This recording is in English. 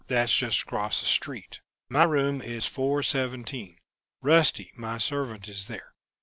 That's just across the street. My room is 417. Rusty, my servant, is there.